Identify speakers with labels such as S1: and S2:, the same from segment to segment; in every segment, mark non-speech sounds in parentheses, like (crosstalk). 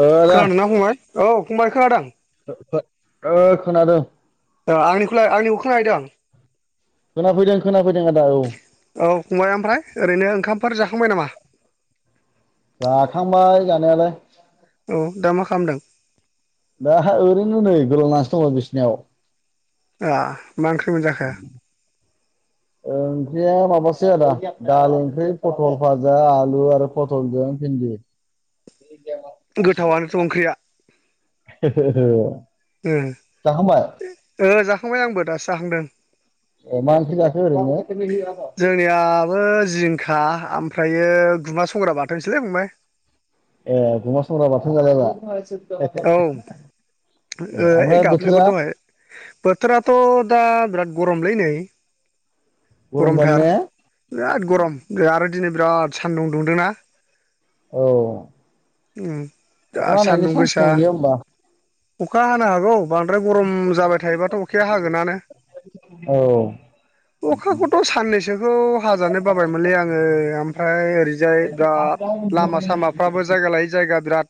S1: ओ आदा
S2: खोनादोंना फंबाय औ फंबाय खोनादों।
S1: ओ खोनादों।
S2: ओ आंनिखौलाय आंनिखौ खोनाहैदों
S1: खोनाफैदों खोना
S2: औ फंबाय ओमफ्राय ओरैनो ओंखामफोर जाखांबाय नामा?
S1: जाखांबाय जानायालाय।
S2: औ दा मा खालामदों
S1: दा ओरैनो नै गोलांनानैसो दङ बिसिनायाव
S2: ओ मा ओंख्रि मोनजाखो?
S1: ओंख्रिया माबासो आदा दालि ओंख्रि पटल भाजा आलु आरो पटलजों भिन्दि। (inaudible)
S2: गोथावानोथ' ओंख्रिया
S1: औ
S2: ओ ओ जाखांबाय आंबो दासो जाखांदों।
S1: ए मा ओंख्रि जाखो ओरैनो
S2: जोंनियाबो जिंखा खा ओमफ्रायो गुमा संग्रा बाथोनसोलै फंबाय।
S1: ए गुमा संग्रा बाथोन जालायबाय
S2: औ ओ
S1: ए ओमफ्राय
S2: गाबनायखौ
S1: बोथोरा
S2: दहाय बोथोराथ' दा बिराद गरमलै नै गरमथार बिराद गरम आरो दिनै बिराद सानदुं दुंदोंना
S1: औ
S2: उम
S1: अखा
S2: बिराद
S1: हानायनि
S2: सान्दुं
S1: चान्स
S2: गोसा
S1: दंयो होमबा
S2: अखा हानो हागौ। बांद्राय गरम जाबाय थायोबाथ' अखाया हागोनानो। अख
S1: औ
S2: अखाखौथ' साननैसोखौ हाजानो बाबायमोनलै आङो ओमफ्राय ओरैजाय बिराद लामा सामाफ्राबो जायगा लायै जायगा बिराद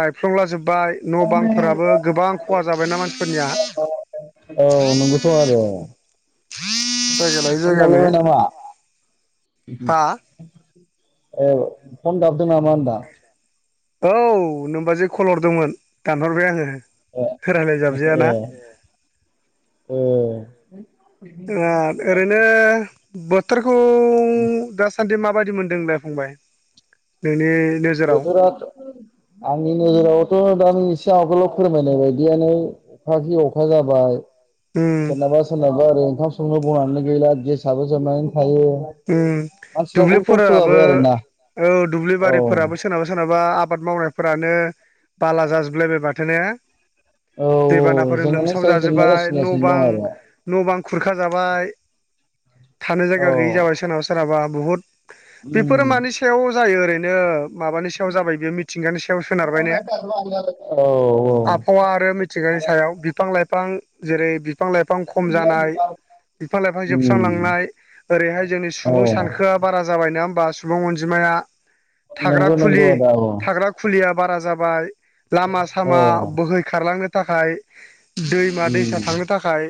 S2: बायफ्लंलाजोब बाय न' बांफोराबो गोबां खहा जाबायना मानसिफोरनिया
S1: औ नंगौथ' आरो
S2: जायगा लायै
S1: फन
S2: जायगानो
S1: गाबलायबाय नामा?
S2: हा
S1: ओ फन गाबदों नामा होनदां?
S2: औ नोमबाजै कल हरदोंमोन दानहरबाय आङो। रायलाय
S1: ए
S2: जाबजायाना
S1: ए ओ
S2: ओ ओरैनो बोथोरखौ दास सानदै माबायदि मोनदों नोंलाय फंबाय? नोंनि नोजोराव
S1: बोथोराथ' आंनि नोजोरावथ' दा आं इसे आगोलाव फोरमायनाय बायदियानो अखाखि अखा जाबाय।
S2: उम
S1: सोरनाबा -सोरनाबा ओरै ओंखाम संनो बुंनानै गैला गेसाबो जोमनानै
S2: उम
S1: खस्थ'
S2: दुब्लिफोराबो
S1: जाबाय आरोना
S2: औ दुब्लि
S1: औ
S2: बारिफोराबो सोरोनाबा- सोरोनाबा बा आबाद मावनायफोरानो बाला जाजोबलायबाय बाथो ने?
S1: औ
S2: दैबानाफोरजों
S1: जेंनानि
S2: लोमसाव
S1: सायाव जेंना
S2: जाजोबबाय न'
S1: जासिगासिनो दं
S2: बां
S1: आरो
S2: -न' बां खुर -खा जाबाय थानो
S1: औ
S2: जायगायाव गैयि जाबाय सोरनाबा- सोरनाबा बहुद बेफोरो
S1: उम
S2: मानि सायाव जायो ओरैनो माबानि सायाव जाबाय बेयो मिथिंगानि सायाव सोनारबाय ने?
S1: औ औ
S2: आबहावा आरो मिथिंगानि सायाव बिफां- लाइफां जेरै बिफां- लाइफां खम जानाय बिफां लाइफां-
S1: उम
S2: जोबस्रांलांनाय ओरैहाय जोंनि
S1: औ
S2: सुबुं सानखोआ बारा जाबाय ना होमबा? सुबुं अनजिमाया। थाग्रा
S1: नंगौ नंगौ
S2: खुलि,
S1: आदा औ
S2: थाग्रा खुलिया बारा जाबाय लामा -सामा
S1: औ
S2: बोहैखारारलांनो थाखाय दैमा -दैसा
S1: उम
S2: थांनो थाखाय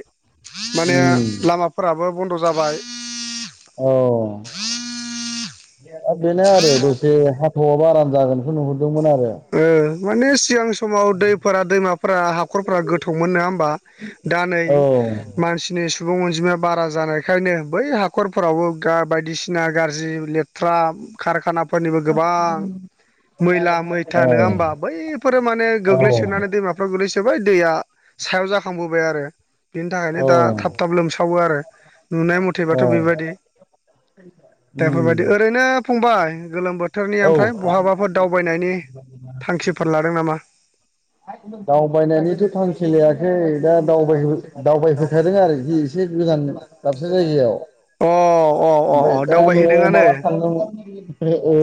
S2: माने
S1: उम
S2: लामाफोराबो बन्द' जाबाय।
S1: ओ बेनो आरो दसे हाथावआबो आराम जागोन। नुहुरदोंमोन आरो।
S2: ओ माने सिगां समाव दैफोरा -दैमाफोरा, हाखरफोरा गोथौमोन नङा होमबा? दा नै
S1: औ
S2: मानसिनि सुबुं अनजिमाया बारा जानायखायनो बै हाखरफोरावबो बायदिसिना गाज्रि -लेथ्रा कारखानाफोरनिबो गोबां मैला- मैथा नङा होमबा बैफोरो माने
S1: औ
S2: गोग्लैसोनानै दैमाफ्राव गोग्लैसोबाय दैया सायाव जाखांबोबाय आरो। बेनि थाखायनो
S1: औ
S2: दा थाब -थाब लोमसावो आरो नुनाय मथेबाथ' बेबायाददि।
S1: उम
S2: देफोरबायदि ओरैनो फंबाय गोलोम बोथोरनि
S1: औ
S2: ओमफ्राय बहाबाफोर दावबायनायनि थांखिफोर लादों नामा?
S1: दावबायनायनिथ' थांखि लायाखै दा दावबायहोखादों आरोखि एसे इसे गोलांनो दाबसे जायगायाव।
S2: अ अ अ अ
S1: ओमफ्राय दा न'आव
S2: दावबायहैदोंआनो
S1: मा ला थाड़ो अ-ओ।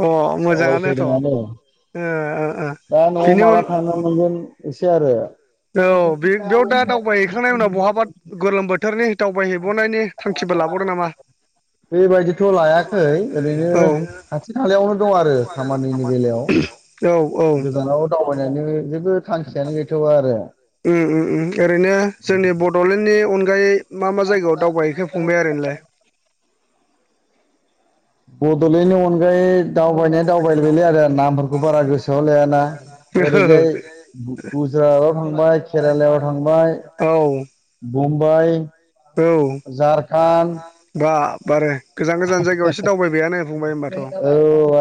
S2: औ अ
S1: औ आं
S2: मोजाङानोथ' ओ
S1: फायदोंआनो
S2: ओ ओ
S1: दा न'आव
S2: बिनि
S1: माला
S2: उन
S1: थांनो मोनगोन बेसे आरो।
S2: औ बे बेयाव दा दावबाय हैखांनायनि उनाव बहाबा गोलोम बोथोरनि दावबाय हैबावनायनि थांखि -फोर लाबावदों नामा?
S1: बेबायदिथ' लायाखै ओरैनो
S2: औ
S1: खाथि खालायावनो दं आरो खामानिनि बेलायाव।
S2: औ औ
S1: गोजानाव दावबायनानै जेबो थांखियानो गैथ'वा आरो
S2: ओरैनो जोंनि बड'लेण्डनि अनगायै मा- मा जायगायाव दावबायहैखो फंबाया आरो ओरैनोलाय?
S1: बड'लेण्डनि अनगायै दावबायनाय -दावबायबायलै आदा नामफोरखौ बारा गोसोआव लायाना। ओरैजाय गुजरातआव थांबाय, केरालायाव थांबाय
S2: औ।
S1: मुम्बाइ,
S2: औ ‌
S1: झारखान्ड
S2: जारकान्द बाबारे। गोजान -गोजान जायगायाव एसे दावबायबायानो फंबाय होनबाथ'। ओ
S1: औ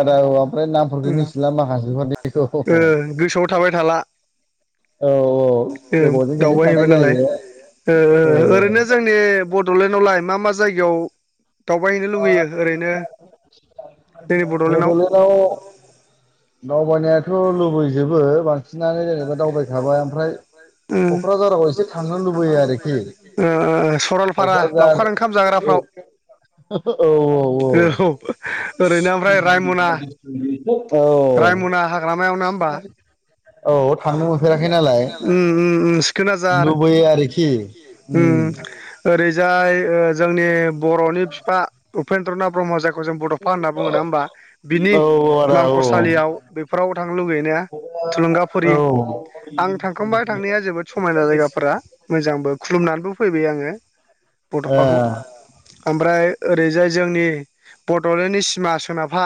S1: आदा औ ओमफ्राय नामफोरखौ मिथिला माखासेफोरनिखौ औ
S2: गोसोआव थाबाय थाला।
S1: औ गोबावजों खेनसे
S2: दावबाय
S1: थांनाय
S2: हैैबाय नालाय
S1: जायो औ
S2: ओ ओरैनो जोंनिया बड'लेण्ड आलाय मा मा जायगायाव दावबाय हैैनो लुुबैयो ओरैनो?
S1: बड'लेण्डआव दावबायनायाथ' लुबैजोबो बांसिन -सिनानो जेनेबा दावबायखाबाय ओमफ्राय
S2: उम
S1: क'क्राझाराव एसे थांनो लुबैयो आरोखि।
S2: ओ ओ सरलपारा
S1: कक्राझार
S2: लावखार ओंखाम
S1: ओ
S2: जाग्राफ्राव
S1: हो-हो
S2: औ। ओरैनो ओमफ्राय रायमना
S1: औ।
S2: रायमना हाग्रामायाव नङा होमबा
S1: औ थांनो मोनफेराखै नालाय
S2: उम उम उम सिखोना जाहार
S1: लुबैयो आरोखि।
S2: उम ओरैजाय जोंनि बर'नि बिफा उपेन्द्रनाथ ब्रह्म जा खौ जों बड'फा होनना बुङो नङा होमबा बिनि
S1: औ आदा
S2: मांखसालियाव बेफोराव थांनो लुगैयो ने थुलुंगाफुरि
S1: औ
S2: आं थांखांबाय थांनाया जोबोद समायना जायगाफोरा मोजांबो खुलुमनानैबो फैबाय आङो
S1: ए
S2: बड'फाखौ ओमफ्राय ओरैजाय जोंनि बड'लेण्डनि सिमा सोनाबहा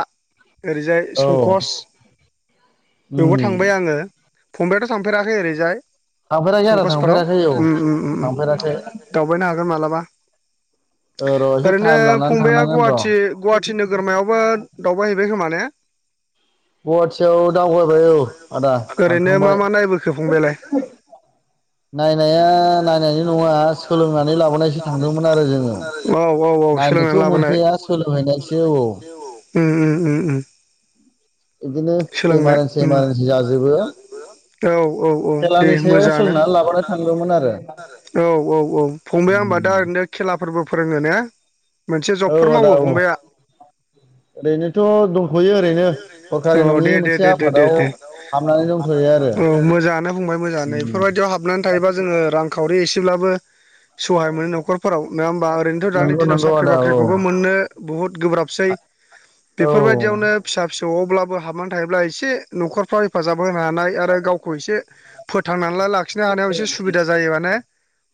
S2: ओरैजाय
S1: औ
S2: संकस बेवबो
S1: उम
S2: थांबाय आङो फंबबायआथ' थांफेराखै ओरैजाय?
S1: थांफेराखै आदा
S2: संकसफोराव
S1: थांफेराखै औ थांफेराखै
S2: दावबायनो हागोन मालाबा
S1: ओ र' (inaudible)
S2: दिनो फंबाया
S1: थांनांगोन र'
S2: गुवाहाटि गुवाहाटि नोगोरमायावबो दावबाय हैैबाय खोमा ने?
S1: गुवाहाटियाव दावगायबाय औ आदा
S2: ओरैनो मा
S1: थांखांबाय।
S2: मा नायबोखो फंबायालाय?
S1: (unintelligible) नायनाया नायनायनि नङा सोलोंनानै लाबोनायसो थांदोंमोन आरो जोङो।
S2: जों। औ औ सोलोंनानै
S1: ज'
S2: लाबोनाय
S1: मोनखाया सोलोंहैनायसो औ।
S2: औ। उम उम उम उम
S1: बिदिनो
S2: सोलोंनो
S1: इमारजेन्सि
S2: उम
S1: इमारजेन्सि जाजोबो
S2: औ औ औ दे
S1: खेलानि सायाव
S2: मोजाङानो।
S1: सोलोंनानै लाबोना थांदोंमोन आरो
S2: औ औ औ फंबाया दा होमब्ला ओरैनो खेला फोरबो फोरोङो ने मोनसे
S1: औ
S2: जबफोर
S1: आदा
S2: मावो
S1: औ
S2: फंबाया?
S1: ओरैनोथ' दंथ'यो ओरैनो सरखारि
S2: औ
S1: नङि
S2: दे दे
S1: मोनसे
S2: दे दे दे
S1: आफादाव
S2: दे।
S1: हाबनानै दंथ'यो आरो
S2: औ मोजाङानो बुंबाय मोजाङानो बेफोरबायदियाव हाबनानै थायोबा जोङो रांखावरि एसेब्लाबो (unintelligible) सहाय मोनो न'खरफोराव नङा होमबा ओरैनोथ' दानि
S1: नंगौ
S2: दिनाव
S1: नंगौ
S2: साख्रि
S1: आदा औ
S2: बाख्रिखौबो मोननो बुहुत गोब्राबसै
S1: औ
S2: बेफोरबायदियावनो फिसा फिसौआवब्लाबो हाबनानै थायोब्ला एसे न'खरफ्राव हेफाजाब होनो हानाय आरो गावखौ एसे फोथांनानै लाखिनो हानायाव एसे सुबिदा जायो माने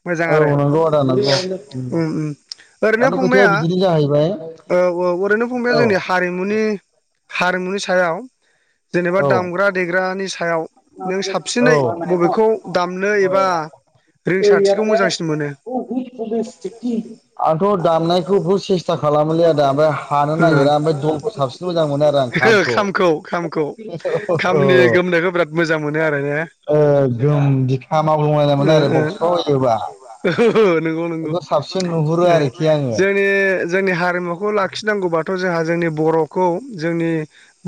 S2: मोजां
S1: औ
S2: आरो।
S1: नंगौ आदा नंगौ उम
S2: ओरैनो
S1: दानि खोथाया
S2: फंबाया
S1: बिदिनो जाहैबाय
S2: औ औ ओरैनो फंबाया
S1: औ
S2: जोंनि हारिमुनि हारिमुनि सायाव जेनेबा
S1: औ
S2: दामग्रा देग्रानि सायाव नों
S1: औ
S2: साबसिनै बबेखौ दामनो एबा रिंसारथिखौ मोजांसिन मोनो?
S1: आंथ' दामनायखौ बहुद सेस्था खालामोलै आदा ओमफ्राय हानो नागिर आं ओमफ्राय दलखौ साबसिन मोजां मोनो आरो आं
S2: खामखौ खामखौ
S1: औ
S2: खामनि गोमनायखौ बिराद मोजां मोनो आरो ने
S1: गोम बिखा मावग्लुं लायनाय
S2: ओ
S1: मोनो आरो
S2: ओ
S1: बक्साव होयोबा।
S2: ओ नंगौ नंगौ
S1: बेखौ साबसिन नुहुरो आरोखि आङो
S2: जोंनि जोंनि हारिमुखौ लाखिनांगौबा थ' जोंहा जोंनि बर' खौ जोंनि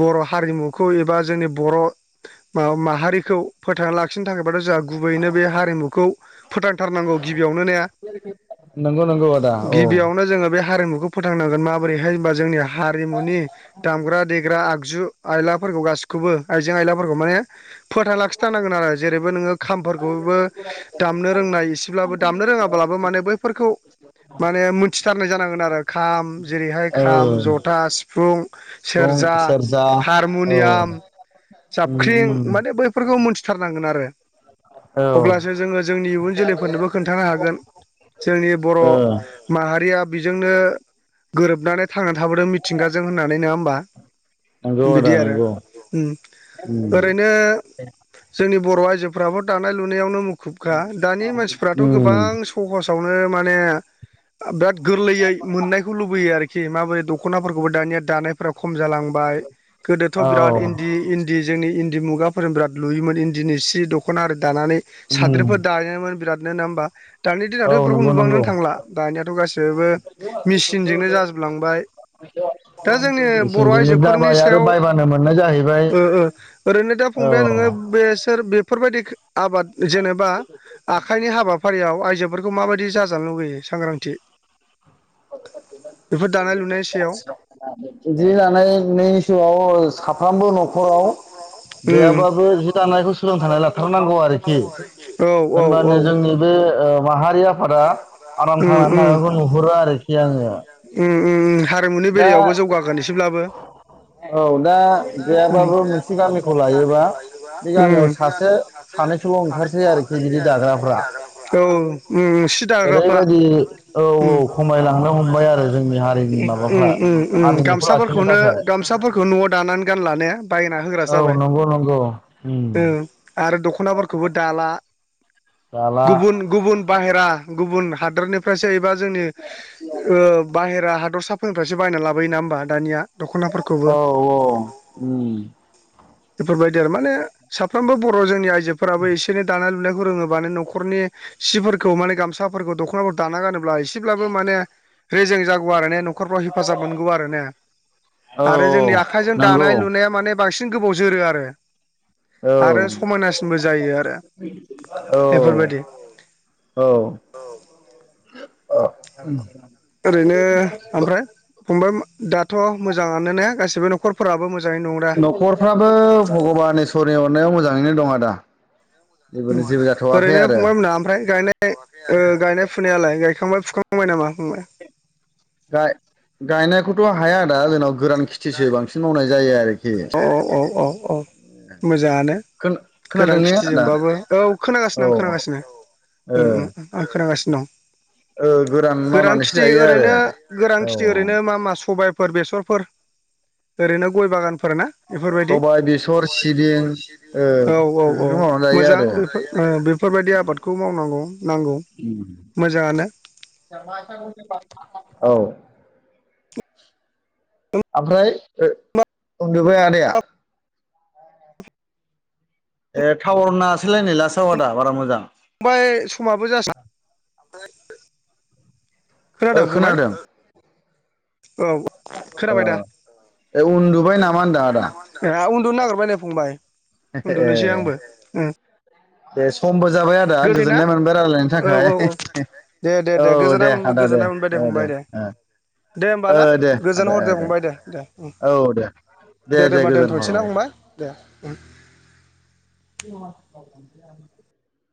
S2: बर' हारिमुखौ एबा जोंनि बर' माहारिखौ फोथांना लाखिनो थाखायबाथ' जोंहा गुबैनो बे हारिमुखौ फोथांथारनांगौ गि -बियावनो ने
S1: नंगौ नंगौ आदा औ
S2: गिबियावनो जोङो बे हारिमु- फोथांनांगोन माबोरैहाय होनबा जोंनि हारिमुनि दामग्रा दे ग्रा आगजु आइलाफोरखौ गासिखौबो आइजें आइलाफोरखौ माने फोथांना लाखिथारनांगोन आरो जेरैबो नोङो खामफोर बाबो दामनो रोंनाय इसेब्लाबो दामनो रोङाब्लाबो माने बैफोरखौ माने मोनथिथारनाय जानांगोन आरो खाम जेरैहाय
S1: औ
S2: खाम जथा सिफुं
S1: सिफुं
S2: सेरजा
S1: सेरजा औ
S2: हारमुनियाम
S1: उम
S2: जाबख्रिं
S1: उम
S2: माने बैफोरखौ मोन्थि थारनांगोन आरो
S1: औ
S2: अब्लासो जोङो जोंनि इयुन जोलैफोरनोबो खोन्थानो हागोन जोंनि बर'
S1: ओ
S2: माहारिया बेजोंनो गोरोबनानै थांनानै थाबोदों मिथिंगाजों होननानै नङा होमबा
S1: नंगौ
S2: बिदि
S1: आदा
S2: आरो
S1: नंगौ
S2: उम
S1: उम
S2: ओरैनो जोंनि बर' आइजोफ्राबो दानाय लुनायावनो मुखुबखा दानि मानसिफ्राथ'
S1: उम
S2: गोबां सहसाव, नो माने, बिराद गोरलैयै मोननायखौ लुबैयो आरोखि माबोरै दख'नाफोरखौबो दानिया, दानायफोरा खम जालांबाय गोदोथ' बिराद
S1: औ
S2: इन्दि इन्दि जोंनि इन इन्दि मुगाफोर बिराद लुयोमोन इन्दिनि सि दख'नारि दानानै
S1: उम
S2: साद्रिफोर दायोमोन बिराद नो नो होमबा दानि
S1: औ
S2: दिनावथ' बेफोरखौ
S1: नंगौ नंगौ
S2: नुबांनोनो थांला दानियाथ' गासिबो मेसिनजोंनो जाजोबलांबाय,
S1: (unintelligible)
S2: दा जोंनि बर'
S1: मेसेंजोंनो
S2: आइजोफोरनि
S1: जाबाय आरो
S2: सायाव
S1: बायबानो मोननाय जाहैबाय
S2: ओ ओ ओरैनो दा
S1: औ
S2: फंबाइया नोङो, बेसोर बेफोरबायदि आबाद जेनेबा आखाइनि हाबाफारियाव आइजो, फोरखौ माबायदि जाजानो लुुबैयो सांग्रांथि, बेफोर दानाय लुनाय सायाव,
S1: (unintelligible) साफ्रोमबो न'खराव
S2: उम
S1: गैयाबाबो, जि दानायखौ सोलोंथाइ लाथारनांगौ आरोखि
S2: औ औ
S1: होनबानो जोंनि बे ओ माहारिया फोरा आराम
S2: उम
S1: थांनानै
S2: उम
S1: थानायखौ नुहुरो आरोखि आङो।
S2: उम उम हारिमुनि
S1: दा
S2: बेलायावबो जौगागोन एसेब्लाबो,
S1: औ दा
S2: उम
S1: गैयाबाबो मोनसे गामिखौ लायोबा बे गामियाव
S2: उम
S1: सासे सानैसोल' ओंखारसै आरोखि बिदि दाग्राफ्रा
S2: औ सि दाग्राफ्रा
S1: ओरैबायदि औ औ
S2: उम
S1: खमायलांनो हमबाय आरो जोंनि हारिनि माबा
S2: ओम ओम गामसाफोरखौनो गामसाफोरखौ न'आव दानानै गानला ने बायना होग्रा
S1: औ
S2: जाबाय,
S1: नंगौ नंगौ उम
S2: ओं आरो दख'नाफोरखौबो दाला
S1: दाला
S2: गुबुन गुबुन, बाहेरा गुबुन हादोरनिफ्रायसो एबा जोंनि ओ बाहेरा हाद दस्राफोरनिफ्रायसो बायना लाबोयो नङा होमबा दानिया, दख'नाफोरखौबो
S1: औ औ ओम
S2: बेफोरबायदि आरो माने साफ्रोमबो बर' जोंनि आइजोफोराबो एसे एनै दानाय लुनाय फोरोङोबानो न'खरनिफोरखौ मानि गामसाफोरखौ दख'नाफोरखौ दाना गानो अब्ला एसेब्लाबो माने रेजें जागौ आरो ने न'खरफ्राव हेफाजाब मोनगौ आरो ने
S1: औ
S2: आरो जोंनि
S1: औ
S2: आखाइजों दानाय
S1: नंगौ
S2: लुनाया माने बांसिन गोबाव जोरो आरो
S1: औ
S2: आरो समायनासिनबो जायो आरो बेफोरबायदि,
S1: औ (unintelligible)
S2: ओरैनो ओमफ्राय फंबाय दाथ' मोजाङानो ने गासिबो न'खरफोराबो मोज
S1: न'खरफ्राबो भगबान इसरनि अरनायाव मोजाङैनो दं आदा जेबोनो जेबो जाथ'वाखै
S2: ओरैनो
S1: आरो
S2: फंबाय मोना ओमफ्राय गायनाय ओ गायनाय फुनायालाय गायखांबाय फु फुखाबाय नामा? फंबाय।
S1: गाय गायनायखौथ' हाया आदा जोनाव
S2: अ औ औ औ मोजाङानो
S1: खोन
S2: गोरान
S1: खोनादों ने आदा
S2: खेथिजोंबाबो औ खोनागासिनो
S1: औ
S2: आं खोनागासिनो,
S1: ओ
S2: उम उम आं खोनागासि
S1: ओ गोरान
S2: गोरां
S1: मावनानैसो
S2: खेथि
S1: जायो आरो
S2: ओरैनो गोरां
S1: औ
S2: खेथि ओरैनो मा मा सबाय फोर बेसरफोर ओरैनो गय बागानफोर ना? बेफोरबायदि
S1: सबाय बेसर सिबिं ओ
S2: औ औ औ
S1: बेफोरखौ मावनानै जायो
S2: मोजां
S1: आरो
S2: बेफोर ओ बेफोर इफोरबायदि आबादखौ मावनांगौ। नांगौ मोजाङानो
S1: (inaudible) औ ओमफ्राय ओ उन्दुबाय आदाया? ए टाउरनाङासैलाय नै लास्टआव आदा बारा मोजां,
S2: फंबाय समाबो जास खोनादों फंबाय? औ
S1: ओ
S2: खोनाबाय दा
S1: ए उन्दुबाय नामा होनदां आदा
S2: (unintelligible) उन्दुनो नागिरबाय नै फंबाय, उन्दुनोसै
S1: ए
S2: आंबो ओ।
S1: दे समबो जाबाय आदा, गोजोननाय मोनबाय रायज्लायनि थाखाय हे हे -
S2: - दे दे दे गोजोनाय मोनबाय गोजोनाय मोनबाय दे फंबाय दे - दे होमबा
S1: ओ
S2: ना,
S1: दे
S2: गोजोन
S1: आदा ओ
S2: हर दे फंबाय दे दे ओम।
S1: औ दे
S2: दे दोनबा दोनथ'नोसै ना फंबाय, दे ओम।
S1: (inaudible)